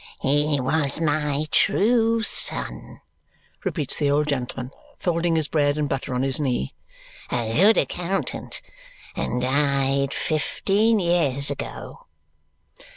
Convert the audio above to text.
"He was my true son," repeats the old gentleman, folding his bread and butter on his knee, "a good accountant, and died fifteen years ago."